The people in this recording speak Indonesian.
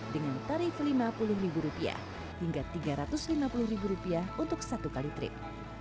dengan tarif lima puluh rupiah hingga tiga ratus lima puluh rupiah untuk satu kali trip